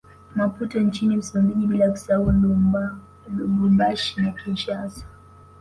Maputo nchini Msumbiji bila kusahau Lubumbashi na Kinshasa